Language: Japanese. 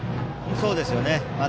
そうですね。